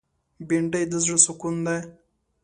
بېنډۍ د زړه سکون ده